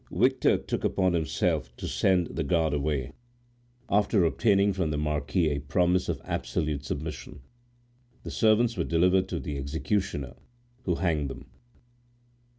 Victor took upon himself to send the guard away, after obtaining from the marquis a promise of absolute submission. The servants were delivered to the executioner, who hanged them.